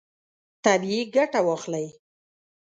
طبیعي ګټه واخلئ.